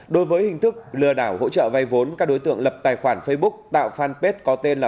đối với hình thức lừa đảo hỗ trợ vay vốn các đối tượng lập tài khoản facebook tạo fanpage có tên là